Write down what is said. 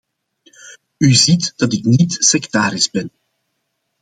U ziet dat ik niet sektarisch ben.